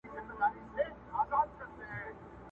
نه شرنګی سته د سندرو نه یې زور سته په لنډۍ کي!!